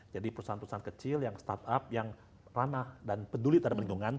jadi perusahaan perusahaan kecil yang startup yang ranah dan peduli terhadap lingkungan